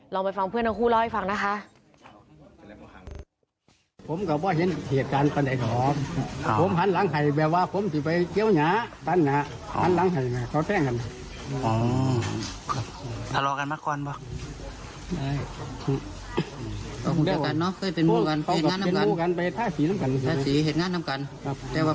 ไปฟังเพื่อนทั้งคู่เล่าให้ฟังนะคะ